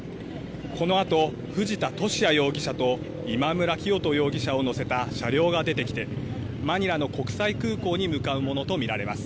このあと、藤田聖也容疑者と今村磨人容疑者を乗せた車両が出てきて、マニラの国際空港に向かうものと見られます。